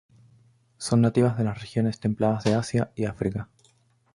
Son nativas de las regiones templadas de Asia y África.